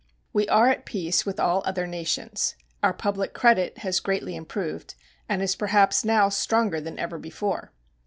We are at peace with all other nations. Our public credit has greatly improved, and is perhaps now stronger than ever before.